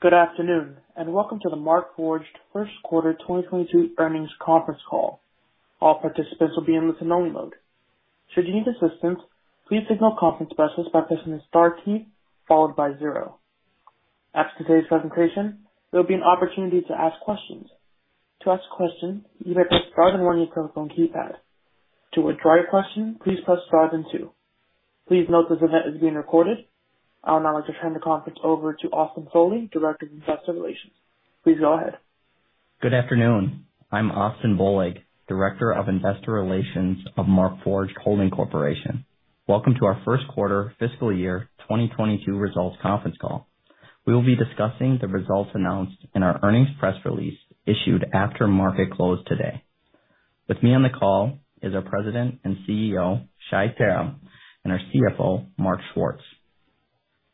Good afternoon, and Welcome to the Markforged First Quarter 2022 earnings conference call. All participants will be in listen only mode. Should you need assistance, please signal a conference specialist by pressing the star key followed by zero. After today's presentation, there'll be an opportunity to ask questions. To ask a question, you may press star then one on your telephone keypad. To withdraw your question, please press star then two. Please note this event is being recorded. I'll now just hand the conference over to Austin Bohlig, Director of Investor Relations. Please go ahead. Good afternoon. I'm Austin Bohlig, Director of Investor Relations of Markforged Holding Corporation. Welcome to our first quarter fiscal year 2022 results conference call. We will be discussing the results announced in our earnings press release issued after market close today. With me on the call is our President and CEO, Shai Terem, and our CFO, Mark Schwartz.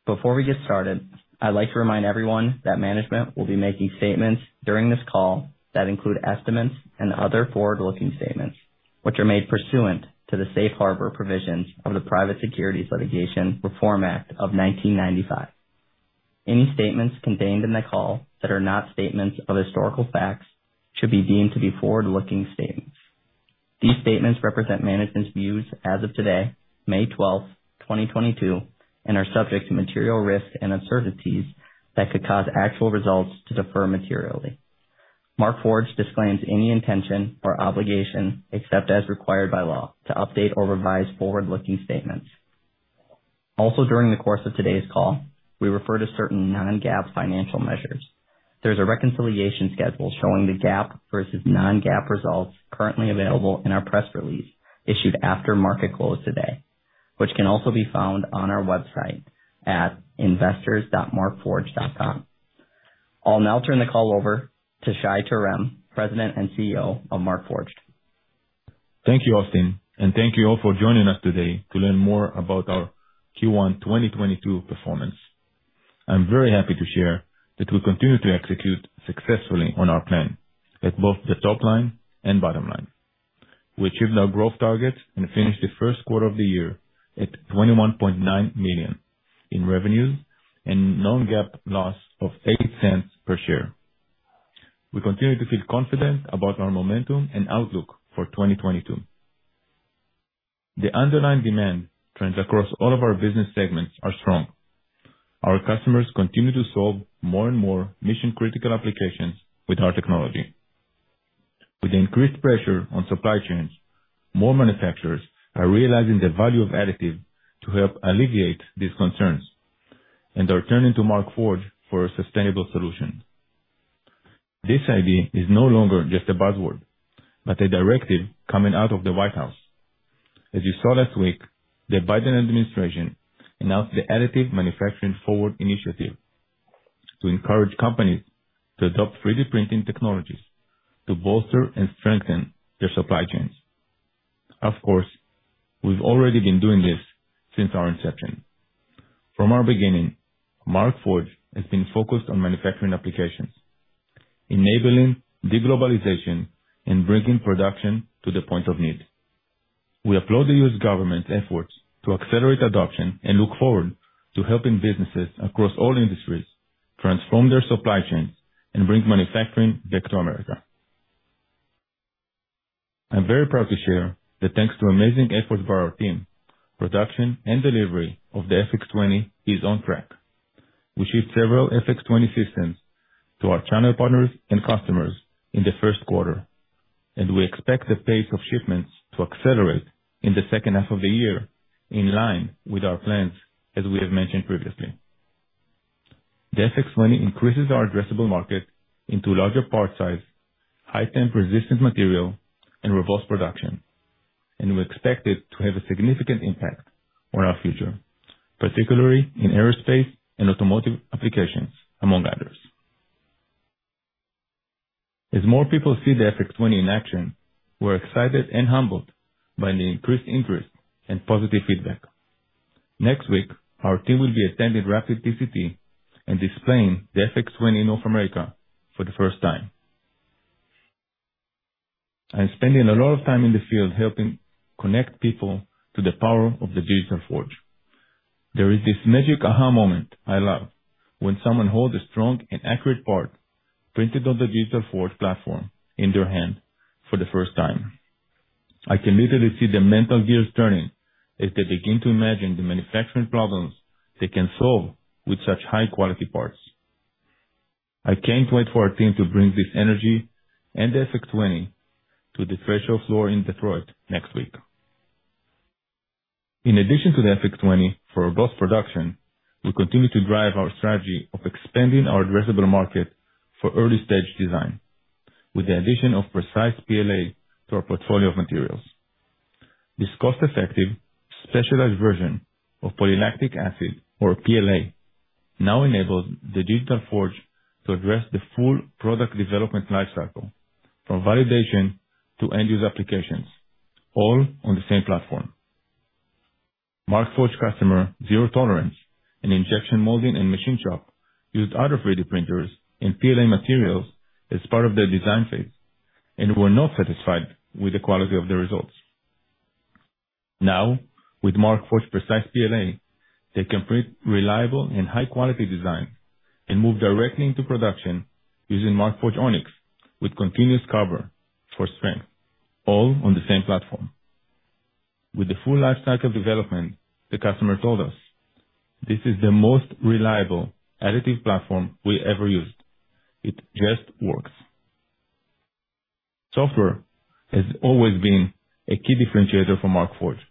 Before we get started, I'd like to remind everyone that management will be making statements during this call that include estimates and other forward-looking statements, which are made pursuant to the safe harbor provisions of the Private Securities Litigation Reform Act of 1995. Any statements contained in the call that are not statements of historical facts should be deemed to be forward-looking statements. These statements represent management's views as of today, May 12, 2022, and are subject to material risks and uncertainties that could cause actual results to differ materially. Markforged disclaims any intention or obligation, except as required by law, to update or revise forward-looking statements. Also, during the course of today's call, we refer to certain non-GAAP financial measures. There's a reconciliation schedule showing the GAAP versus non-GAAP results currently available in our press release issued after market close today, which can also be found on our website at investors.markforged.com. I'll now turn the call over to Shai Terem, President and CEO of Markforged. Thank you, Austin, and thank you all for joining us today to learn more about our Q1 2022 performance. I'm very happy to share that we continue to execute successfully on our plan at both the top line and bottom line. We achieved our growth targets and finished the first quarter of the year at $21.9 million in revenue and non-GAAP loss of $0.08 per share. We continue to feel confident about our momentum and outlook for 2022. The underlying demand trends across all of our business segments are strong. Our customers continue to solve more and more mission-critical applications with our technology. With increased pressure on supply chains, more manufacturers are realizing the value of additive to help alleviate these concerns and are turning to Markforged for a sustainable solution. This idea is no longer just a buzzword, but a directive coming out of the White House. As you saw last week, the Biden administration announced the Additive Manufacturing Forward initiative to encourage companies to adopt 3D printing technologies to bolster and strengthen their supply chains. Of course, we've already been doing this since our inception. From our beginning, Markforged has been focused on manufacturing applications, enabling de-globalization and bringing production to the point of need. We applaud the U.S. government's efforts to accelerate adoption and look forward to helping businesses across all industries transform their supply chains and bring manufacturing back to America. I'm very proud to share that thanks to amazing efforts by our team, production and delivery of the FX20 is on track. We shipped several FX20 systems to our channel partners and customers in the first quarter, and we expect the pace of shipments to accelerate in the second half of the year, in line with our plans, as we have mentioned previously. The FX20 increases our addressable market into larger part size, high temp resistant material, and reverse production, and we expect it to have a significant impact on our future, particularly in aerospace and automotive applications, among others. As more people see the FX20 in action, we're excited and humbled by the increased interest and positive feedback. Next week, our team will be attending RAPID + TCT and displaying the FX20 in North America for the first time. I'm spending a lot of time in the field helping connect people to the power of the Digital Forge. There is this magic aha moment I love when someone holds a strong and accurate part printed on the Digital Forge platform in their hand for the first time. I can literally see the mental gears turning as they begin to imagine the manufacturing problems they can solve with such high quality parts. I can't wait for our team to bring this energy and the FX20 to the trade show floor in Detroit next week. In addition to the FX20 for reverse production, we continue to drive our strategy of expanding our addressable market for early-stage design with the addition of Precise PLA to our portfolio of materials. This cost-effective, specialized version of polylactic acid, or PLA, now enables the Digital Forge to address the full product development life cycle from validation to end user applications, all on the same platform. Markforged customer Zero Tolerance, an injection molding and machine shop, used other 3D printers and PLA materials as part of their design phase and were not satisfied with the quality of the results. Now, with Markforged Precise PLA, they can print reliable and high quality design and move directly into production using Markforged Onyx with continuous fiber for strength, all on the same platform. With the full life cycle development, the customer told us, "This is the most reliable additive platform we ever used. It just works." Software has always been a key differentiator for Markforged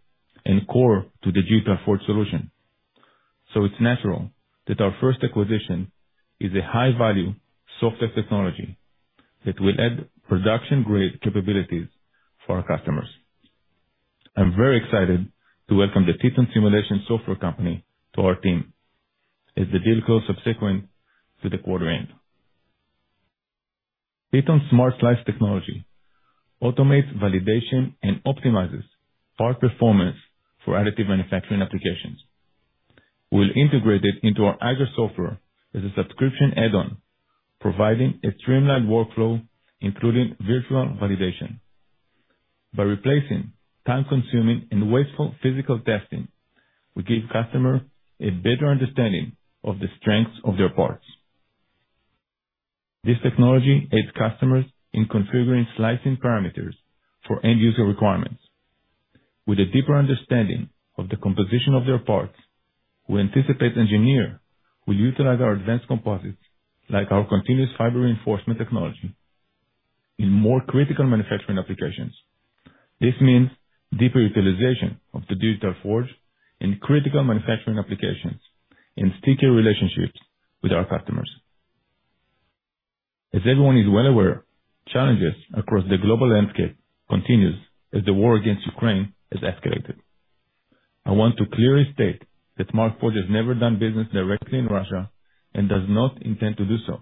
and core to the Digital Forge solution. It's natural that our first acquisition is a high-value software technology that will add production-grade capabilities for our customers. I'm very excited to welcome the Teton Simulation Software company to our team as the deal closed subsequent to the quarter end. Teton's SmartSlice technology automates validation and optimizes part performance for additive manufacturing applications. We'll integrate it into our Eiger software as a subscription add-on, providing a streamlined workflow, including virtual validation. By replacing time-consuming and wasteful physical testing, we give customers a better understanding of the strengths of their parts. This technology aids customers in configuring slicing parameters for end user requirements. With a deeper understanding of the composition of their parts, we anticipate engineer will utilize our advanced composites, like our continuous fiber reinforcement technology, in more critical manufacturing applications. This means deeper utilization of the Digital Forge in critical manufacturing applications and stickier relationships with our customers. As everyone is well aware, challenges across the global landscape continues as the war against Ukraine has escalated. I want to clearly state that Markforged has never done business directly in Russia and does not intend to do so.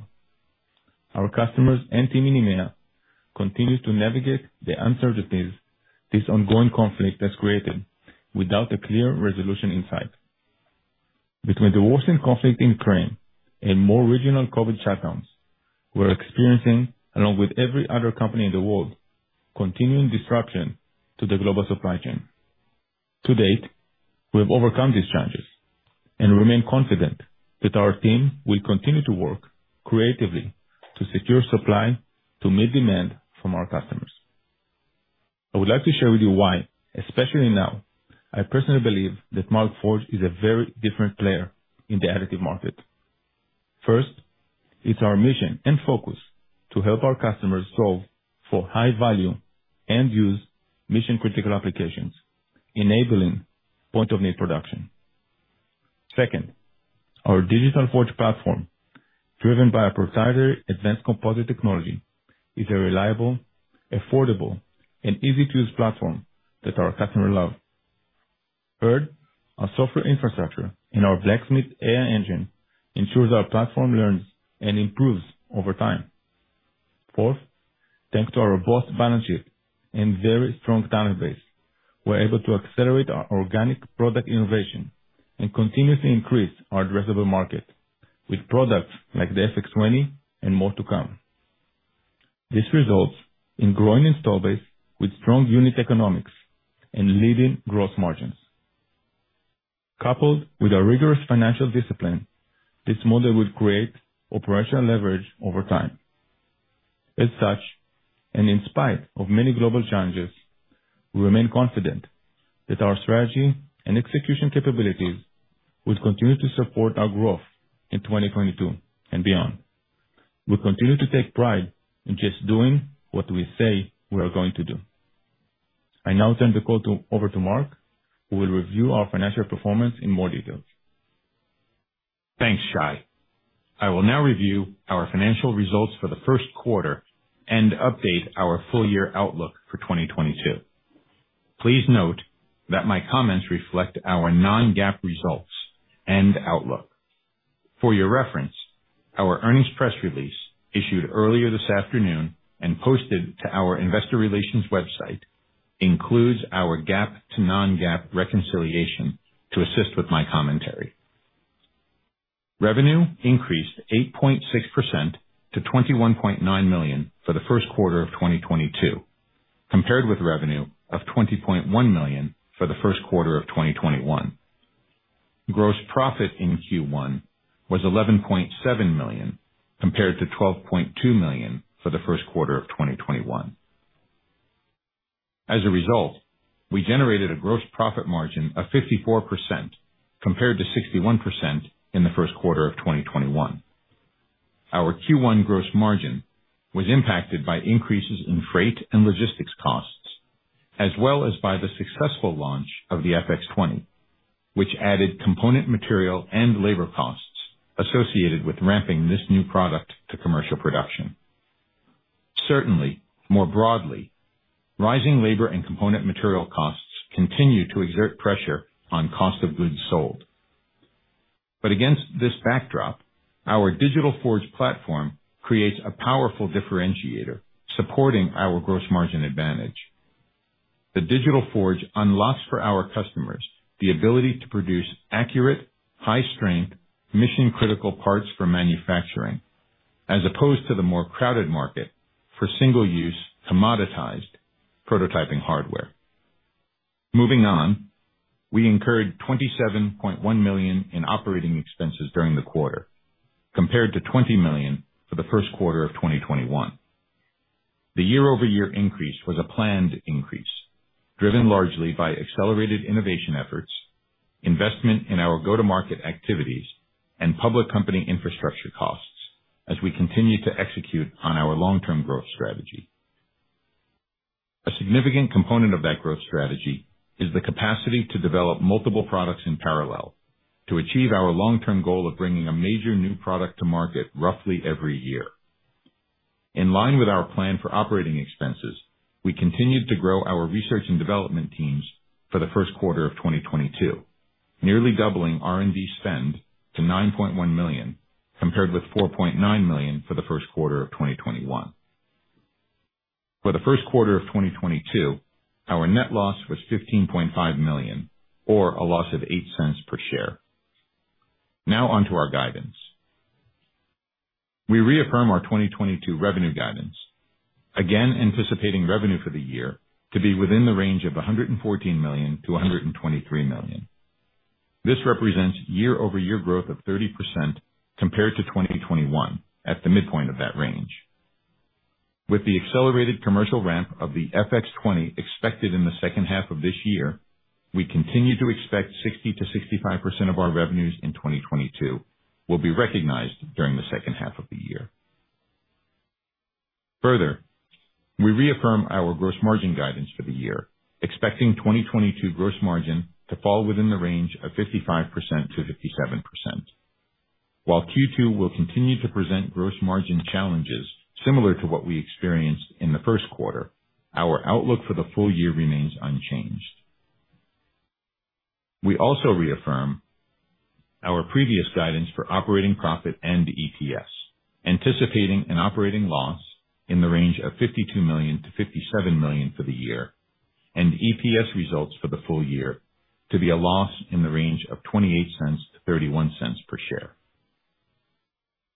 Our customers and team in EMEA continues to navigate the uncertainties this ongoing conflict has created without a clear resolution in sight. Between the worsened conflict in Ukraine and more regional COVID shutdowns, we're experiencing, along with every other company in the world, continuing disruption to the global supply chain. To date, we have overcome these challenges and remain confident that our team will continue to work creatively to secure supply to meet demand from our customers. I would like to share with you why, especially now, I personally believe that Markforged is a very different player in the additive market. First, it's our mission and focus to help our customers solve for high value, end use, mission-critical applications, enabling point-of-need production. Second, our Digital Forge platform, driven by a proprietary advanced composite technology, is a reliable, affordable, and easy-to-use platform that our customers love. Third, our software infrastructure and our Blacksmith AI engine ensures our platform learns and improves over time. Fourth, thanks to our robust balance sheet and very strong talent base, we're able to accelerate our organic product innovation and continuously increase our addressable market with products like the FX20 and more to come. This results in growing install base with strong unit economics and leading gross margins. Coupled with our rigorous financial discipline, this model will create operational leverage over time. As such, and in spite of many global challenges, we remain confident that our strategy and execution capabilities will continue to support our growth in 2022 and beyond. We continue to take pride in just doing what we say we are going to do. I now turn the call over to Mark, who will review our financial performance in more detail. Thanks, Shai. I will now review our financial results for the first quarter and update our full year outlook for 2022. Please note that my comments reflect our non-GAAP results and outlook. For your reference, our earnings press release, issued earlier this afternoon and posted to our investor relations website, includes our GAAP to non-GAAP reconciliation to assist with my commentary. Revenue increased 8.6% to $21.9 million for the first quarter of 2022, compared with revenue of $20.1 million for the first quarter of 2021. Gross profit in Q1 was $11.7 million, compared to $12.2 million for the first quarter of 2021. As a result, we generated a gross profit margin of 54%, compared to 61% in the first quarter of 2021. Our Q1 gross margin was impacted by increases in freight and logistics costs, as well as by the successful launch of the FX20, which added component material and labor costs associated with ramping this new product to commercial production. Certainly, more broadly, rising labor and component material costs continue to exert pressure on cost of goods sold. Against this backdrop, our Digital Forge platform creates a powerful differentiator, supporting our gross margin advantage. The Digital Forge unlocks for our customers the ability to produce accurate, high-strength, mission-critical parts for manufacturing. As opposed to the more crowded market for single-use commoditized prototyping hardware. Moving on, we incurred $27.1 million in operating expenses during the quarter, compared to $20 million for the first quarter of 2021. The year-over-year increase was a planned increase, driven largely by accelerated innovation efforts, investment in our go-to-market activities, and public company infrastructure costs as we continue to execute on our long-term growth strategy. A significant component of that growth strategy is the capacity to develop multiple products in parallel to achieve our long-term goal of bringing a major new product to market roughly every year. In line with our plan for operating expenses, we continued to grow our research and development teams for the first quarter of 2022, nearly doubling R&D spend to $9.1 million, compared with $4.9 million for the first quarter of 2021. For the first quarter of 2022, our net loss was $15.5 million or a loss of $0.08 per share. Now on to our guidance. We reaffirm our 2022 revenue guidance, again, anticipating revenue for the year to be within the range of $114 million-$123 million. This represents year-over-year growth of 30% compared to 2021 at the midpoint of that range. With the accelerated commercial ramp of the FX20 expected in the second half of this year, we continue to expect 60%-65% of our revenues in 2022 will be recognized during the second half of the year. Further, we reaffirm our gross margin guidance for the year, expecting 2022 gross margin to fall within the range of 55%-57%. While Q2 will continue to present gross margin challenges similar to what we experienced in the first quarter, our outlook for the full year remains unchanged. We also reaffirm our previous guidance for operating profit and EPS, anticipating an operating loss in the range of $52 million-$57 million for the year, and EPS results for the full year to be a loss in the range of $0.28-$0.31 per share.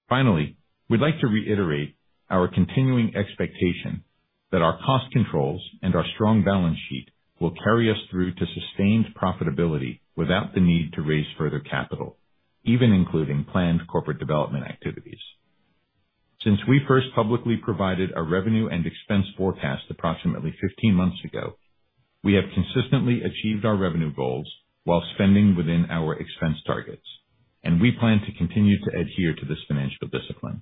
Finally, we'd like to reiterate our continuing expectation that our cost controls and our strong balance sheet will carry us through to sustained profitability without the need to raise further capital, even including planned corporate development activities. Since we first publicly provided a revenue and expense forecast approximately 15 months ago, we have consistently achieved our revenue goals while spending within our expense targets, and we plan to continue to adhere to this financial discipline.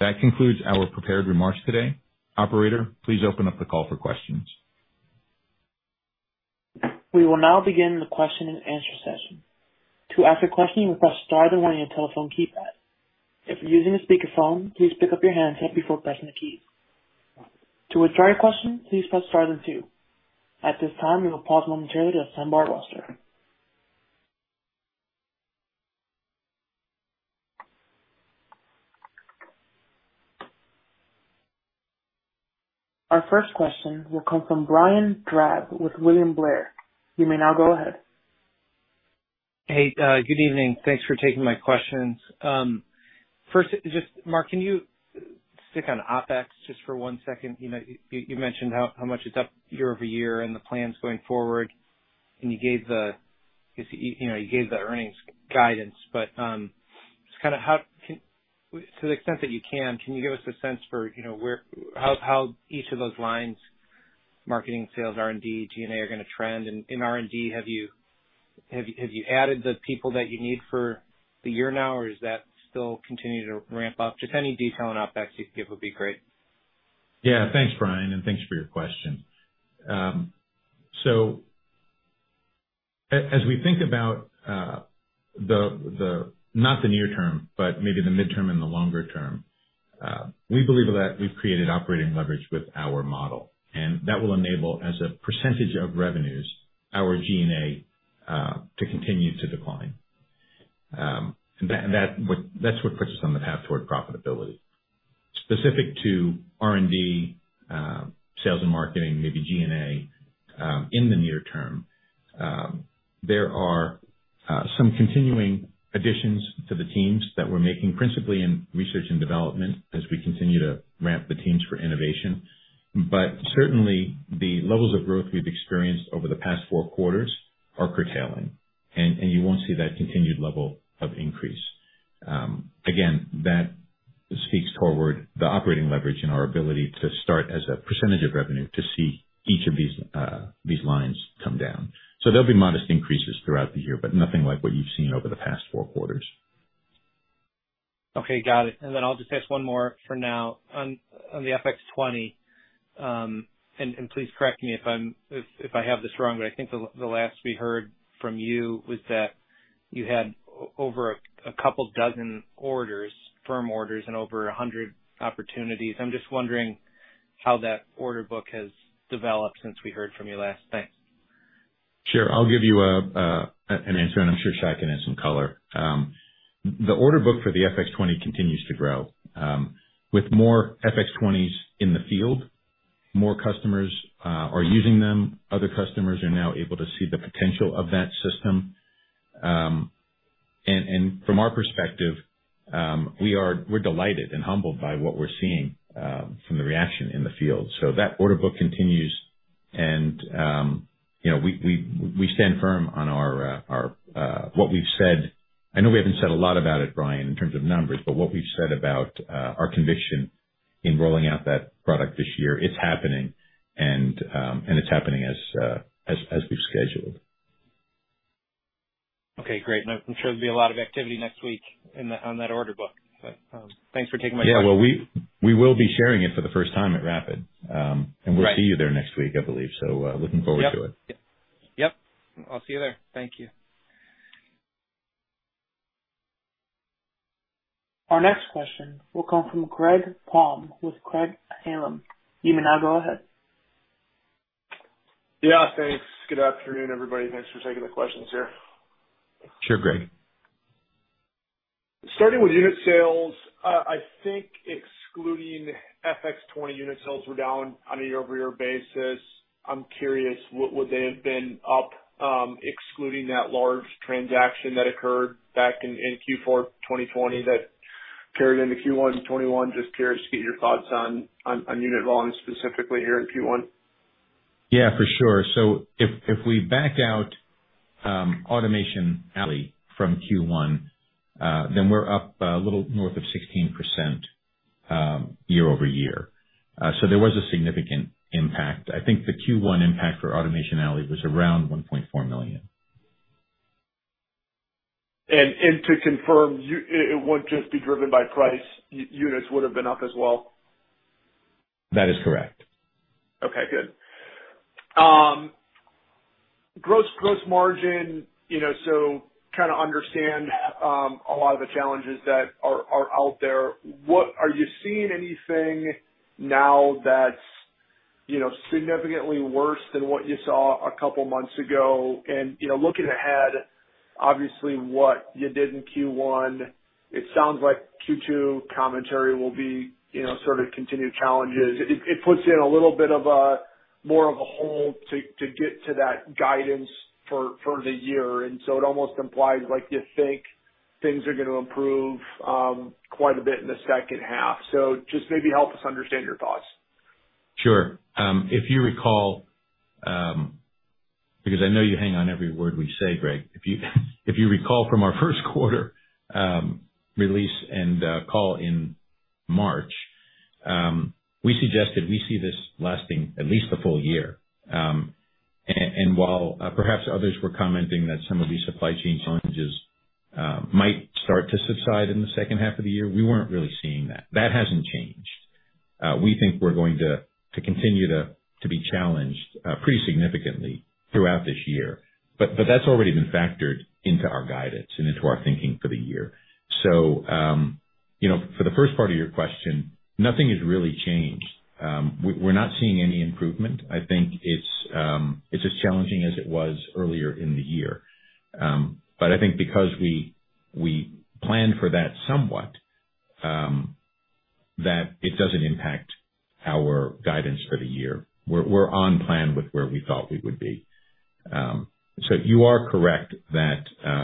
That concludes our prepared remarks today. Operator, please open up the call for questions. We will now begin the question and answer session. To ask a question, press star then one on your telephone keypad. If you're using a speakerphone, please pick up your handset before pressing the keys. To withdraw your question, please press star then two. At this time, we will pause momentarily to assemble our roster. Our first question will come from Brian Drab with William Blair. You may now go ahead. Hey, good evening. Thanks for taking my questions. First, just Mark, can you stick on OpEx just for one second? You know, you mentioned how much it's up year-over-year and the plans going forward, and you gave the earnings guidance. You know, you gave the earnings guidance. Just kind of how can, to the extent that you can you give us a sense for, you know, where, how each of those lines, marketing, sales, R&D, G&A are gonna trend? And in R&D, have you added the people that you need for the year now, or is that still continuing to ramp up? Just any detail on OpEx you'd give would be great. Yeah. Thanks, Brian, and thanks for your question. So as we think about not the near term, but maybe the midterm and the longer term, we believe that we've created operating leverage with our model, and that will enable, as a percentage of revenues, our G&A to continue to decline. And that that's what puts us on the path toward profitability. Specific to R&D, sales and marketing, maybe G&A, in the near term, there are some continuing additions to the teams that we're making, principally in research and development, as we continue to ramp the teams for innovation. Certainly, the levels of growth we've experienced over the past four quarters are curtailing and you won't see that continued level of increase. Again, that speaks toward the operating leverage and our ability to start as a percentage of revenue to see each of these lines come down. There'll be modest increases throughout the year, but nothing like what you've seen over the past four quarters. Okay. Got it. I'll just ask one more for now. On the FX20, and please correct me if I have this wrong, but I think the last we heard from you was that you had over a couple dozen orders, firm orders and over 100 opportunities. I'm just wondering how that order book has developed since we heard from you last. Thanks. Sure. I'll give you an answer and I'm sure Shai can add some color. The order book for the FX20 continues to grow with more FX20s in the field. More customers are using them. Other customers are now able to see the potential of that system. From our perspective, we're delighted and humbled by what we're seeing from the reaction in the field. That order book continues and you know, we stand firm on our what we've said. I know we haven't said a lot about it, Brian, in terms of numbers, but what we've said about our conviction in rolling out that product this year, it's happening and it's happening as we've scheduled. Okay, great. I'm sure there'll be a lot of activity next week on that order book. Thanks for taking my question. Yeah. Well, we will be sharing it for the first time at RAPID. Right. We'll see you there next week, I believe. Looking forward to it. Yep. Yep. I'll see you there. Thank you. Our next question will come from Greg Palm with Craig-Hallum. You may now go ahead. Yeah, thanks. Good afternoon, everybody, and thanks for taking the questions here. Sure, Greg. Starting with unit sales, I think excluding FX20 unit sales were down on a year-over-year basis. I'm curious what would they have been up, excluding that large transaction that occurred back in Q4 2020 that carried into Q1 2021. Just curious to get your thoughts on unit volume specifically here in Q1. Yeah, for sure. If we back out Automation Alley from Q1, then we're up a little north of 16% year-over-year. There was a significant impact. I think the Q1 impact for Automation Alley was around $1.4 million. To confirm, it wouldn't just be driven by price, units would have been up as well? That is correct. Okay, good. Gross margin, you know, so trying to understand a lot of the challenges that are out there. What are you seeing anything now that's, you know, significantly worse than what you saw a couple months ago? Looking ahead, obviously what you did in Q1, it sounds like Q2 commentary will be, you know, sort of continued challenges. It puts in a little bit of a, more of a hole to get to that guidance for the year. It almost implies like you think things are gonna improve quite a bit in the second half. Just maybe help us understand your thoughts. Sure. If you recall, because I know you hang on every word we say, Greg. If you recall from our first quarter, release and call in March, we suggested we see this lasting at least a full year. While perhaps others were commenting that some of these supply chain challenges might start to subside in the second half of the year, we weren't really seeing that. That hasn't changed. We think we're going to continue to be challenged pretty significantly throughout this year. That's already been factored into our guidance and into our thinking for the year. You know, for the first part of your question, nothing has really changed. We're not seeing any improvement. I think it's as challenging as it was earlier in the year. I think because we planned for that somewhat, that it doesn't impact our guidance for the year. We're on plan with where we thought we would be. You are correct that,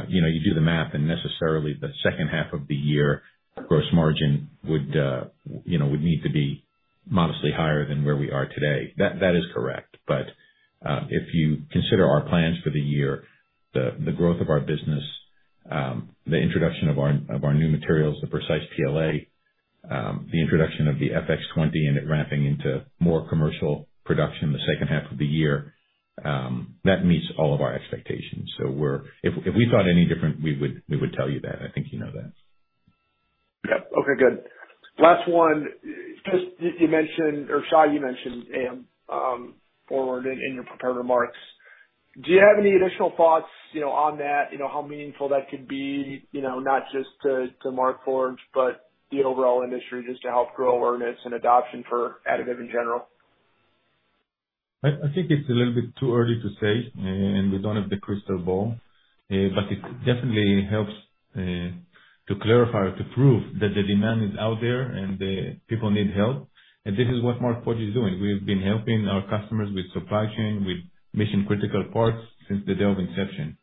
you know, you do the math and necessarily the second half of the year, gross margin would need to be modestly higher than where we are today. That is correct. If you consider our plans for the year, the growth of our business, the introduction of our new materials, the Precise PLA, the introduction of the FX20 and it ramping into more commercial production in the second half of the year, that meets all of our expectations. If we thought any different, we would tell you that. I think you know that. Yeah. Okay, good. Last one. Just you mentioned or Shai, you mentioned AM forward in your prepared remarks. Do you have any additional thoughts, you know, on that? You know, how meaningful that could be, you know, not just to Markforged, but the overall industry, just to help grow awareness and adoption for additive in general? I think it's a little bit too early to say, and we don't have the crystal ball. But it definitely helps to clarify or to prove that the demand is out there and people need help. This is what Markforged is doing. We've been helping our customers with supply chain, with mission-critical parts since the day of inception.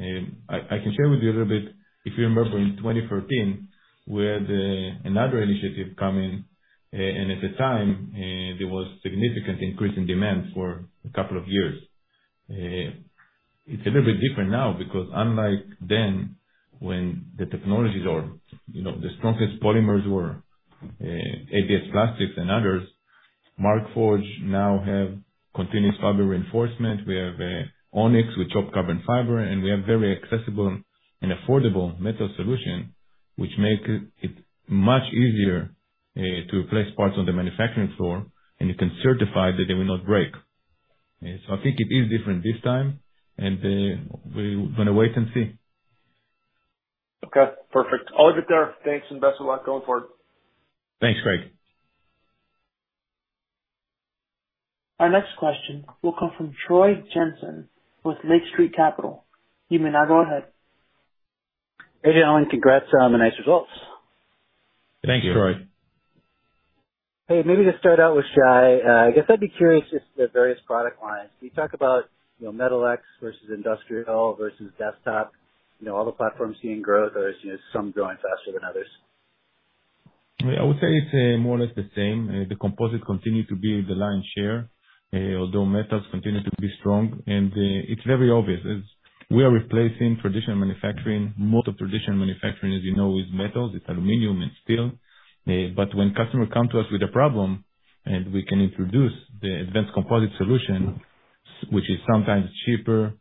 I can share with you a little bit, if you remember in 2013, we had another initiative come in, and at the time there was significant increase in demand for a couple of years. It's a little bit different now because unlike then, when the technologies or, you know, the strongest polymers were ABS plastics and others, Markforged now have continuous fiber reinforcement. We have Onyx with chopped carbon fiber, and we have very accessible and affordable metal solution, which make it much easier to place parts on the manufacturing floor, and you can certify that they will not break. I think it is different this time, and we gonna wait and see. Okay, perfect. I'll leave it there. Thanks, and best of luck going forward. Thanks, Greg. Our next question will come from Troy Jensen with Lake Street Capital Markets. You may now go ahead. Shai, Mark, congrats on the nice results. Thank you, Troy. Hey, maybe to start out with Shai, I guess I'd be curious just the various product lines. Can you talk about, you know, Metal X versus industrial versus desktop? You know, all the platforms seeing growth or is some growing faster than others? I would say it's more or less the same. Composites continue to be the lion's share, although metals continue to be strong. It's very obvious, as we are replacing traditional manufacturing. Most of traditional manufacturing, as you know, is metal. It's aluminum and steel. When customers come to us with a problem, and we can introduce the advanced composite solution, which is sometimes cheaper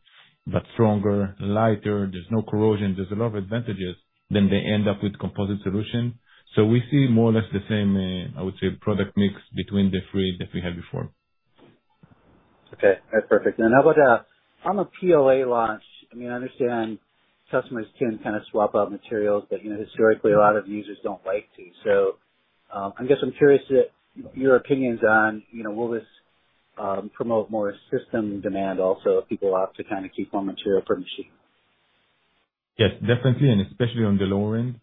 but stronger, lighter. There's no corrosion. There's a lot of advantages. Then they end up with composite solution. We see more or less the same, I would say, product mix between the three that we had before. Okay. That's perfect. How about from a PLA launch, I mean, I understand customers can kind of swap out materials, but, you know, historically, a lot of users don't like to. I guess I'm curious to your opinions on, you know, will this promote more system demand also if people opt to kind of keep one material per machine? Yes, definitely. Especially on the lower end.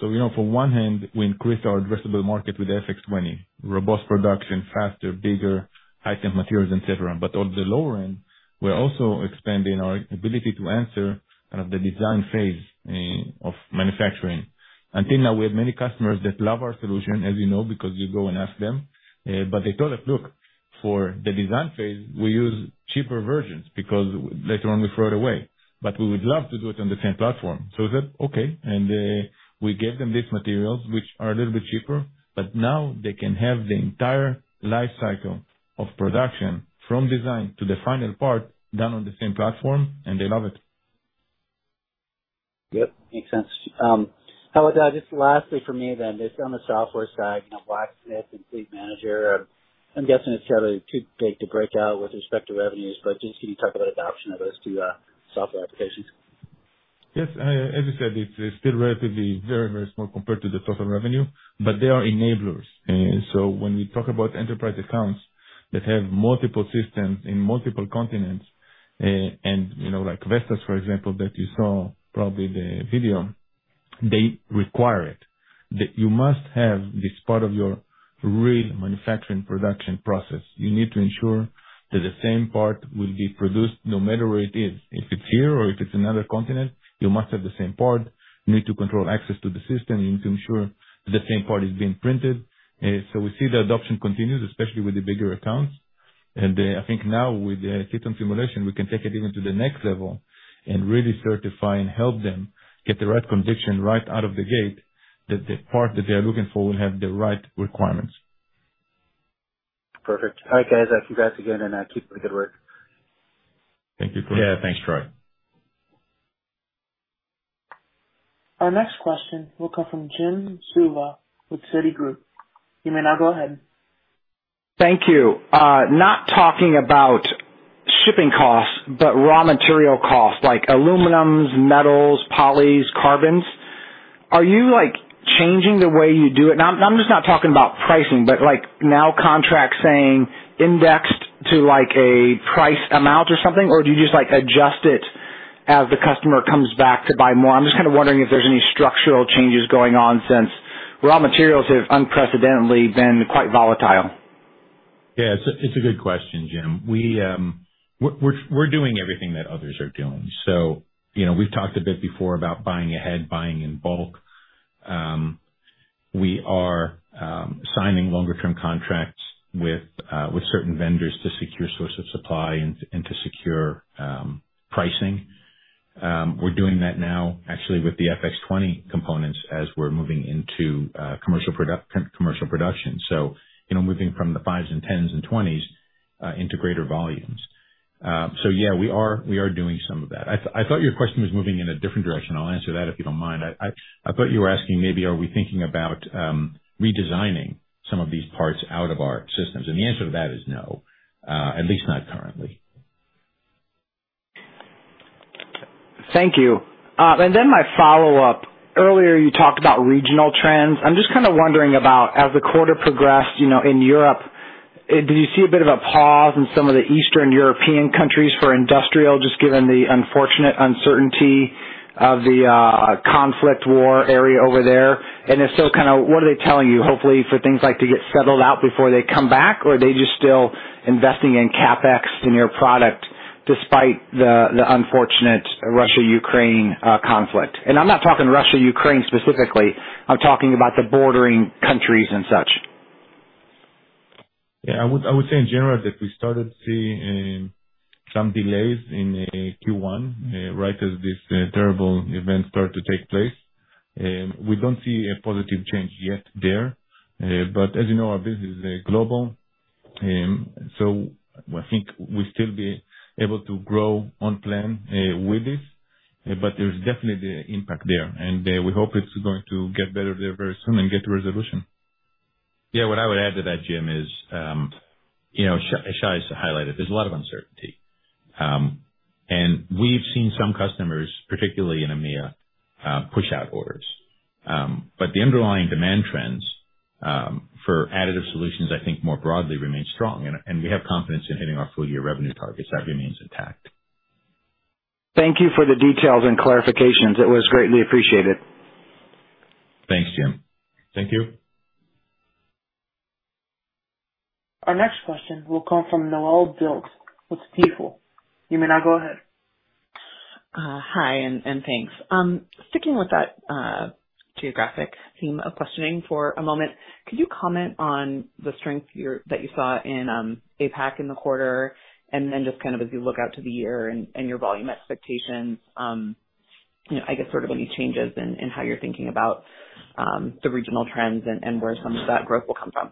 So we know on one hand, we increase our addressable market with FX20, robust production, faster, bigger items materials, et cetera. On the lower end, we're also expanding our ability to address kind of the design phase of manufacturing. Until now, we have many customers that love our solution, as you know, because you go and ask them, but they told us, "Look, for the design phase we use cheaper versions because later on we throw it away. But we would love to do it on the same platform." So I said, "Okay." We gave them these materials, which are a little bit cheaper, but now they can have the entire life cycle of production from design to the final part done on the same platform, and they love it. Yep, makes sense. How about, just lastly for me then, just on the software side, you know, Blacksmith and Eiger Fleet. I'm guessing it's kind of too big to break out with respect to revenues, but just can you talk about adoption of those two, software applications? Yes. As you said, it's still relatively very, very small compared to the total revenue, but they are enablers. When we talk about enterprise accounts that have multiple systems in multiple continents, you know, like Vestas, for example, that you saw probably the video, they require it. You must have this part of your real manufacturing production process. You need to ensure that the same part will be produced no matter where it is. If it's here or if it's another continent, you must have the same part. You need to control access to the system. You need to ensure the same part is being printed. We see the adoption continues, especially with the bigger accounts. I think now with the system simulation, we can take it even to the next level and really certify and help them get the right conviction right out of the gate that the part that they are looking for will have the right requirements. Perfect. All right, guys, congrats again and, keep up the good work. Thank you. Yeah. Thanks, Troy. Our next question will come from Jim Suva with Citigroup. You may now go ahead. Thank you. Not talking about shipping costs, but raw material costs, like aluminums, metals, polys, carbons. Are you, like, changing the way you do it? I'm just not talking about pricing, but like, now contracts saying indexed to, like, a price amount or something. Or do you just, like, adjust it as the customer comes back to buy more? I'm just kind of wondering if there's any structural changes going on since raw materials have unprecedentedly been quite volatile. Yeah, it's a good question, Jim Suva. We're doing everything that others are doing. You know, we've talked a bit before about buying ahead, buying in bulk. We are signing longer term contracts with certain vendors to secure source of supply and to secure pricing. We're doing that now actually with the FX20 components as we're moving into commercial production. You know, moving from the 5s and 10s and 20s into greater volumes. Yeah, we are doing some of that. I thought your question was moving in a different direction. I'll answer that if you don't mind. I thought you were asking maybe are we thinking about redesigning some of these parts out of our systems, and the answer to that is no, at least not currently. Thank you. My follow-up. Earlier, you talked about regional trends. I'm just kind of wondering about as the quarter progressed, you know, in Europe, do you see a bit of a pause in some of the Eastern European countries for industrial, just given the unfortunate uncertainty of the conflict war area over there? If so, kind of, what are they telling you? Hopefully for things like to get settled out before they come back, or are they just still investing in CapEx in your product despite the unfortunate Russia-Ukraine conflict? I'm not talking Russia-Ukraine specifically. I'm talking about the bordering countries and such. Yeah, I would say in general that we started seeing some delays in Q1 right as these terrible events started to take place. We don't see a positive change yet there, but as you know, our business is global. I think we'll still be able to grow on plan with this, but there's definitely the impact there. We hope it's going to get better there very soon and get resolution. Yeah. What I would add to that, Jim, is, you know, Shai's highlighted there's a lot of uncertainty. We've seen some customers, particularly in EMEA, push out orders, but the underlying demand trends for additive solutions, I think more broadly remain strong and we have confidence in hitting our full year revenue targets. That remains intact. Thank you for the details and clarifications. It was greatly appreciated. Thanks, Jim. Thank you. Our next question will come from Noelle Dilts with Stifel. You may now go ahead. Hi and thanks. Sticking with that geographic theme of questioning for a moment, could you comment on the strength that you saw in APAC in the quarter and then just kind of as you look out to the year and your volume expectations, you know, I guess sort of any changes in how you're thinking about the regional trends and where some of that growth will come from?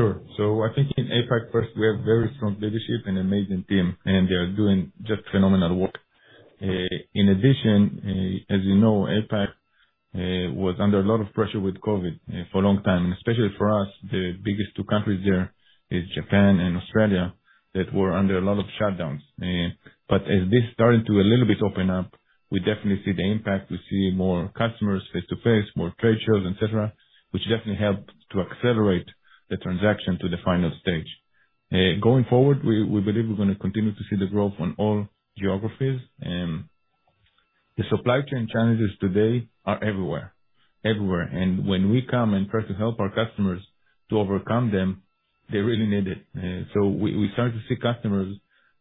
Thanks. Sure. I think in APAC first, we have very strong leadership and amazing team, and they are doing just phenomenal work. In addition, as you know, APAC was under a lot of pressure with COVID for a long time, especially for us. The biggest two countries there is Japan and Australia that were under a lot of shutdowns. As this started to a little bit open up, we definitely see the impact. We see more customers face-to-face, more trade shows, et cetera, which definitely helped to accelerate the transaction to the final stage. Going forward, we believe we're gonna continue to see the growth on all geographies. The supply chain challenges today are everywhere. Everywhere. When we come and try to help our customers to overcome them, they really need it. We start to see customers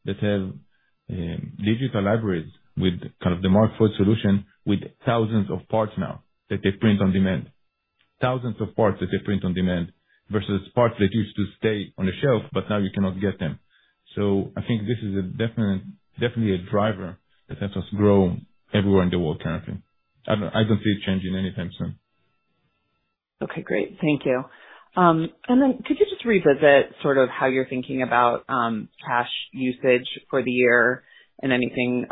that have digital libraries with kind of the Markforged solution with thousands of parts now that they print on demand versus parts that used to stay on the shelf, but now you cannot get them. I think this is definitely a driver that helps us grow everywhere in the world currently. I don't see it changing anytime soon. Okay, great. Thank you. Could you just revisit sort of how you're thinking about cash usage for the year and anything,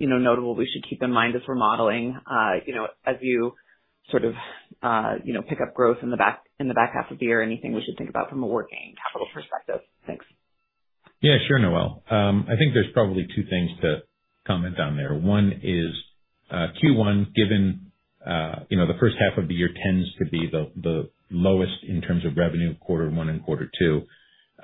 you know, notable we should keep in mind as we're modeling, you know, as you sort of, you know, pick up growth in the back half of the year? Anything we should think about from a working capital perspective? Thanks. Yeah, sure, Noel. I think there's probably two things to comment on there. One is, Q1 given, you know, the first half of the year tends to be the lowest in terms of revenue, quarter one and quarter two.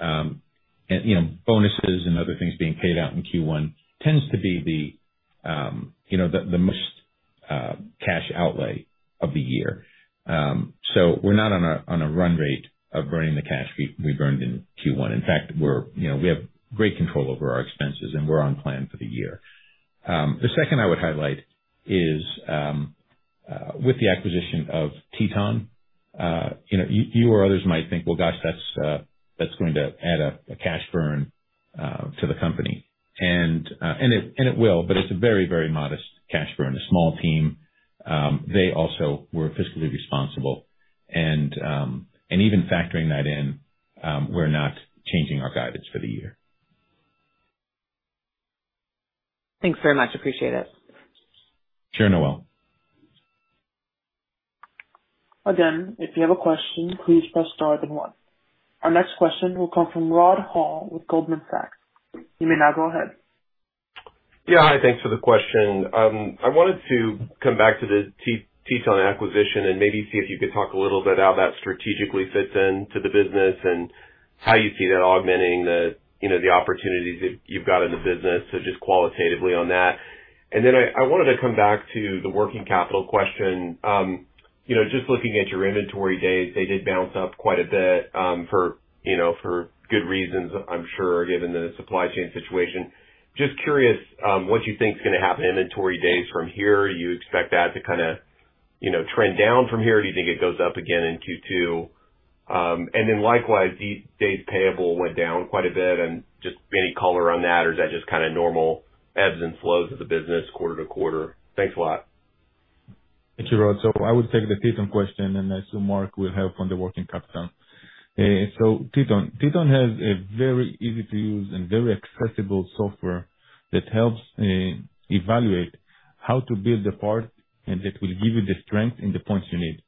You know, bonuses and other things being paid out in Q1 tends to be the most cash outlay of the year. We're not on a run rate of burning the cash we burned in Q1. In fact, you know, we have great control over our expenses, and we're on plan for the year. The second I would highlight is, with the acquisition of Teton, you know, you or others might think, "Well, gosh, that's going to add up a cash burn to the company." It will, but it's a very, very modest cash burn, a small team. They also were fiscally responsible and even factoring that in, we're not changing our guidance for the year. Thanks very much. Appreciate it. Sure, Noelle. Again, if you have a question, please press star then one. Our next question will come from Rod Hall with Goldman Sachs. You may now go ahead. Yeah. Hi. Thanks for the question. I wanted to come back to the Teton acquisition and maybe see if you could talk a little bit how that strategically fits into the business and how you see that augmenting the, you know, the opportunities that you've got in the business. Just qualitatively on that. Then I wanted to come back to the working capital question. You know, just looking at your inventory days, they did bounce up quite a bit for good reasons, you know, I'm sure, given the supply chain situation. Just curious, what you think is gonna happen to inventory days from here. You expect that to kinda, you know, trend down from here, or do you think it goes up again in Q2? Likewise, days payable went down quite a bit and just any color on that or is that just kinda normal ebbs and flows of the business quarter to quarter? Thanks a lot. Thank you, Rod. I would take the Teton question, and I assume Mark will help on the working capital. Teton has a very easy to use and very accessible software that helps evaluate how to build the part, and that will give you the strength and the points you need.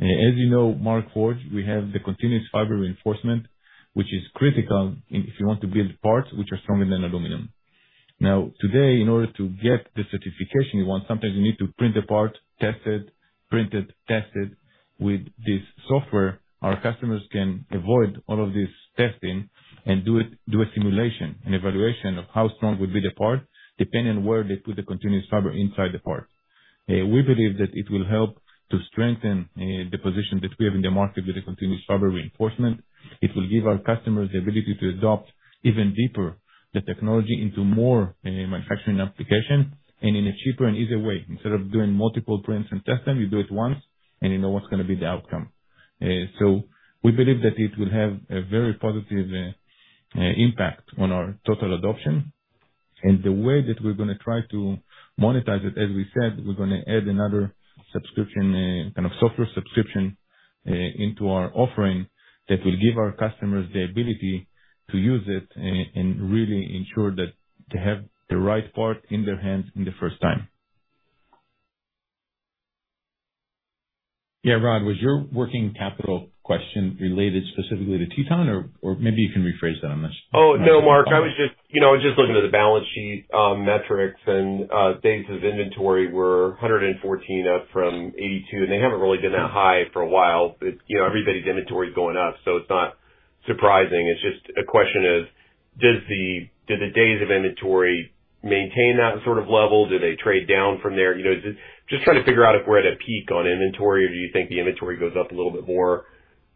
As you know, Markforged, we have the Continuous Fiber Reinforcement, which is critical in if you want to build parts which are stronger than aluminum. Now, today, in order to get the certification you want, sometimes you need to print the part, test it, print it, test it. With this software, our customers can avoid all of this testing and do a simulation and evaluation of how strong would be the part depending on where they put the continuous fiber inside the part. We believe that it will help to strengthen the position that we have in the market with the Continuous Fiber Reinforcement. It will give our customers the ability to adopt even deeper the technology into more manufacturing application and in a cheaper and easier way. Instead of doing multiple prints and test them, you do it once and you know what's gonna be the outcome. So we believe that it will have a very positive impact on our total adoption. The way that we're gonna try to monetize it, as we said, we're gonna add another subscription kind of software subscription into our offering that will give our customers the ability to use it and really ensure that they have the right part in their hands in the first time. Yeah, Rod, was your working capital question related specifically to Teton or maybe you can rephrase that unless- Oh, no, Mark. I was just, you know, just looking at the balance sheet metrics and days of inventory were 114 up from 82, and they haven't really been that high for a while. It's, you know, everybody's inventory is going up, so it's not surprising. It's just a question of do the days of inventory maintain that sort of level? Do they trade down from there? You know, just trying to figure out if we're at a peak on inventory or do you think the inventory goes up a little bit more?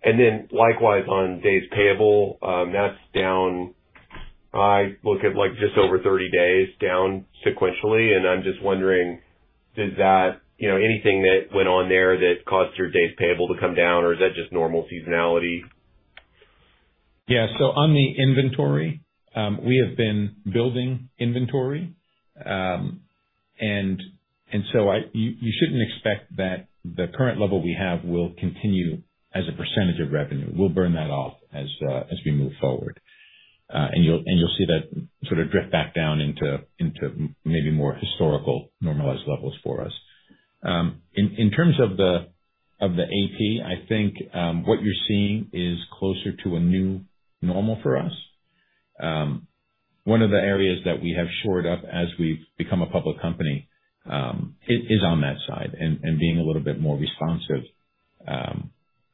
Likewise on days payable, that's down. I look at, like, just over 30 days down sequentially, and I'm just wondering, does that, you know, anything that went on there that caused your days payable to come down or is that just normal seasonality? On the inventory, we have been building inventory, and you shouldn't expect that the current level we have will continue as a percentage of revenue. We'll burn that off as we move forward. You'll see that sort of drift back down into maybe more historical normalized levels for us. In terms of the AP, I think what you're seeing is closer to a new normal for us. One of the areas that we have shored up as we've become a public company is on that side and being a little bit more responsive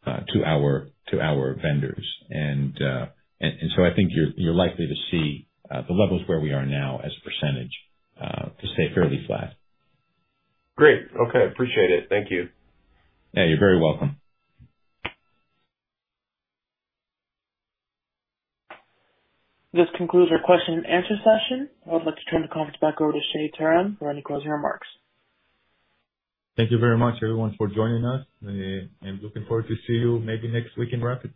to our vendors. I think you're likely to see the levels where we are now as a percentage to stay fairly flat. Great. Okay. Appreciate it. Thank you. Yeah, you're very welcome. This concludes our question and answer session. I would like to turn the conference back over to Shai Terem for any closing remarks. Thank you very much, everyone, for joining us. I'm looking forward to see you maybe next week in RAPID.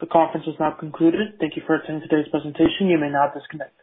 The conference has now concluded. Thank you for attending today's presentation. You may now disconnect.